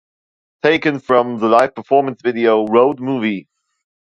Taken from the live performance video, "Road Movie".